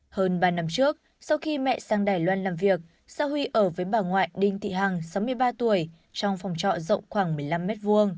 hơn ba năm trước sau khi mẹ sang đài loan làm việc sa huy ở với bà ngoại đinh thị hằng sáu mươi ba tuổi trong phòng trọ rộng khoảng một mươi năm m hai